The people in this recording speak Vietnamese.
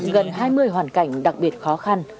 gần hai mươi hoàn cảnh đặc biệt khó khăn